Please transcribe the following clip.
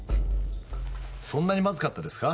そんなにマズかったですか？